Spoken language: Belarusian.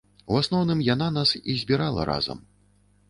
У асноўным яна нас і збірала разам.